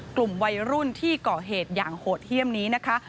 กลุ่มวัยรุ่นที่ก่อเหตุอย่างโหดเยี่ยมนี้นะคะ